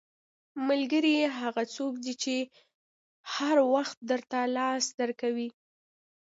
• ملګری هغه څوک دی چې هر وخت درته لاس درکوي.